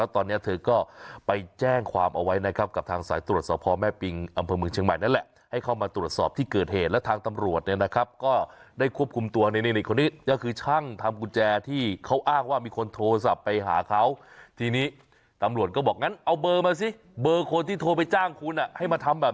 ตอนนี้เธอก็ไปแจ้งความเอาไว้นะครับกับทางสายตรวจสอบพ่อแม่ปิงอำเภอเมืองเชียงใหม่นั่นแหละให้เข้ามาตรวจสอบที่เกิดเหตุแล้วทางตำรวจเนี่ยนะครับก็ได้ควบคุมตัวนี่คนนี้ก็คือช่างทำกุญแจที่เขาอ้างว่ามีคนโทรศัพท์ไปหาเขาทีนี้ตำรวจก็บอกงั้นเอาเบอร์มาสิเบอร์คนที่โทรไปจ้างคุณอ่ะให้มาทำแบบ